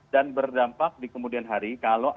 dan berdampak di kemudian hari